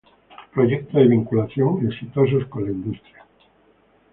Proyectos de vinculación exitosos con la industria